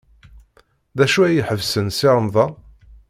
D acu ay iḥebsen Si Remḍan?